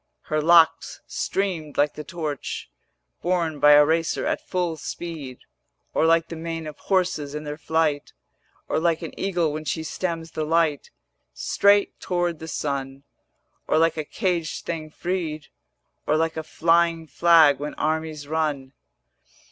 Her locks streamed like the torch 500 Borne by a racer at full speed, Or like the mane of horses in their flight, Or like an eagle when she stems the light Straight toward the sun, Or like a caged thing freed, Or like a flying flag when armies run.